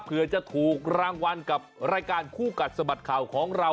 เพื่อจะถูกรางวัลกับรายการคู่กัดสะบัดข่าวของเรา